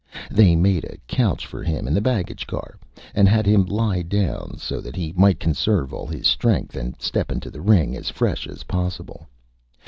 They made a Couch for him in the Baggage Car, and had him lie down, so that he might conserve all his Strength and step into the Ring as fresh as possible.